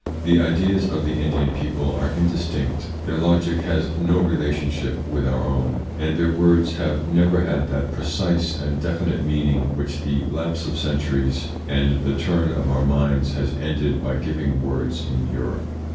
The ideas of the Indian people are indistinct, their logic has no rela tionship with our own, and their words have never had that precise and definite meaning which the lapse of centuries and the turn of our minds has ended by giving words in Europe.